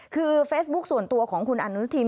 คือเฟซบุ๊คส่วนตัวของคุณอนุทิน